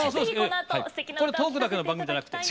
これトークだけの番組じゃなくて。